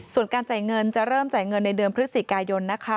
ส่วนการจ่ายเงินจะเริ่มจ่ายเงินในเดือนพฤศจิกายนนะคะ